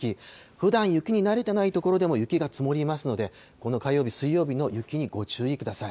ふだん雪に慣れてない所でも雪が積もりますので、この火曜日、水曜日の雪にご注意ください。